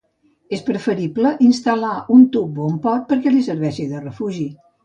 És preferible instal·lar un tub o un pot perquè li serveixi de refugi.